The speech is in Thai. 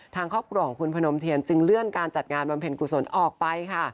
ทางครอบครัวของคุณพนมเทียนจึงเลื่อนการจัดงานบำเพ็ญกุศลออกไปค่ะ